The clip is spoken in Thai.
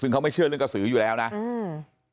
ซึ่งเขาไม่เชื่อเรื่องกระสืออยู่แล้วนะอืม